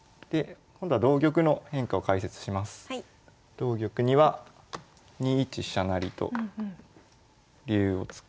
同玉には２一飛車成と竜を作って。